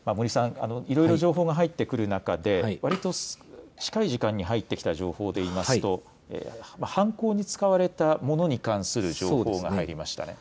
いろいろ情報が入ってくる中でわりと近い時間に入ってきた情報で言いますと、犯行に使われたものに関する情報が入りましたね。